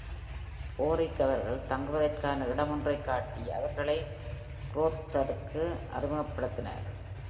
ஓரிக் அவர்கள் தங்குவதற்கான இடம் ஒன்றைக் காட்டி அவர்களை ஹ்ரோத்கருக்கு அறிமுகப்படுத்துகிறார்.